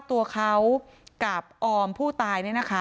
ตัวเขากับออมผู้ตาย